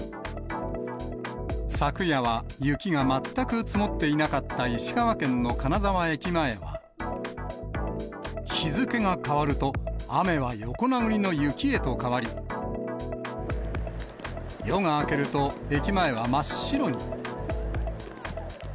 昨夜は雪が全く積もっていなかった石川県の金沢駅前は、日付が変わると、雨は横殴りの雪へと変わり、夜が明けると、駅前は真っ白に。